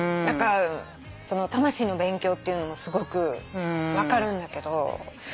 何か魂の勉強っていうのもすごく分かるんだけど。